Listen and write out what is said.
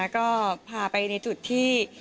ก็พาไปในจุดที่